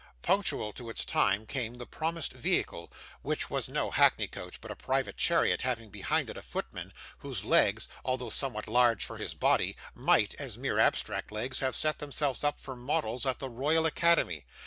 Punctual to its time came the promised vehicle, which was no hackney coach, but a private chariot, having behind it a footman, whose legs, although somewhat large for his body, might, as mere abstract legs, have set themselves up for models at the Royal Academy.